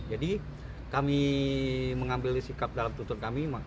jadi kami mengambil sikap dalam tuntutan kami